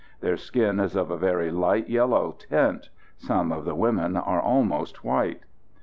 Their skin is of a very light yellow tint; some of the women are almost white.